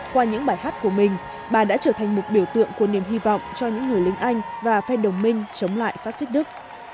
qua những bài hát của mình bà đã trở thành một biểu tượng của niềm hy vọng cho những người lính anh và phe đồng minh chống lại phát xít đức